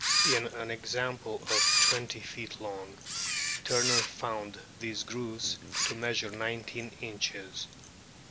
In an example of twenty feet long Turner found these grooves to measure nineteen inches.